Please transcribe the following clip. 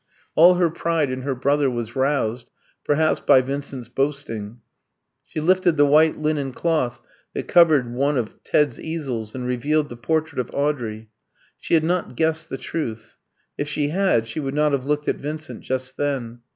All her pride in her brother was roused, perhaps by Vincent's boasting. She lifted the white linen cloth that covered one of Ted's easels, and revealed the portrait of Audrey. She had not guessed the truth; if she had, she would not have looked at Vincent just then.